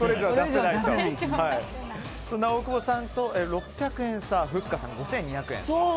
そんな大久保さんと６００円差ふっかさん、５２００円。